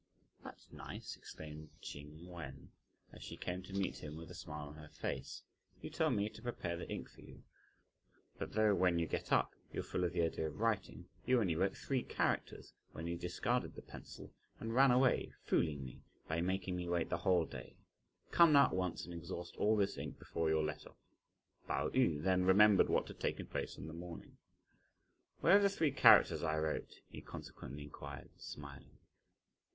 "That's nice," exclaimed Ch'ing Wen, as she came to meet him with a smile on her face, "you tell me to prepare the ink for you, but though when you get up, you were full of the idea of writing, you only wrote three characters, when you discarded the pencil, and ran away, fooling me, by making me wait the whole day! Come now at once and exhaust all this ink before you're let off." Pao yü then remembered what had taken place in the morning. "Where are the three characters I wrote?" he consequently inquired, smiling.